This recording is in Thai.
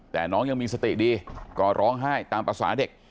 แต่น้องยังมีสติดีก็ร้องไห้ตามภาษาเด็ก